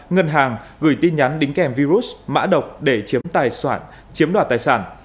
ngân hàng gửi tin nhắn đính kèm virus mã độc để chiếm đoạt tài sản